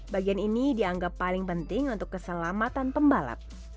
bagian ini dianggap paling penting untuk keselamatan pembalap